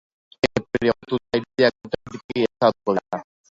Epe hori agortuta irudiak automatikoki ezabatuko dira.